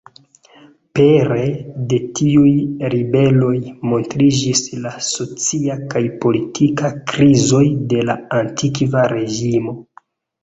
Pere de tiuj ribeloj, montriĝis la socia kaj politika krizoj de la Antikva Reĝimo.